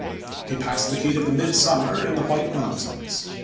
He passed the heat of the midsummer in the White Mountains.